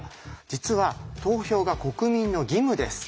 実は投票が国民の義務です。